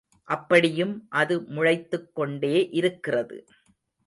அப்படியும் அது முளைத்துக் கொண்டே இருக்கிறது.